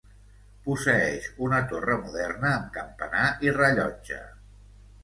Posseeix una torre moderna amb campanar i rellotge.